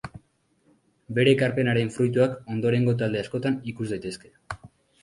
Bere ekarpenaren fruituak ondorengo talde askotan ikus daitezke.